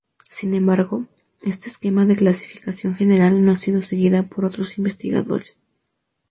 Sin embargo, este esquema de clasificación general no ha sido seguida por otros investigadores.